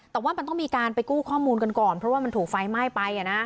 แต่ว่ามันต้องมีการไปกู้ข้อมูลกันก่อนเพราะว่ามันถูกไฟไหม้ไป